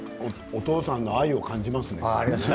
お父さんの愛を感じますね。